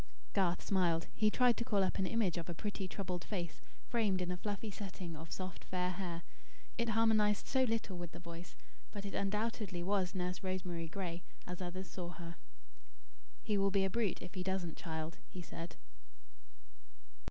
Garth smiled. He tried to call up an image of a pretty troubled face, framed in a fluffy setting of soft fair hair. It harmonised so little with the voice; but it undoubtedly was Nurse Rosemary Gray, as others saw her. "He will be a brute if he doesn't, child," he said.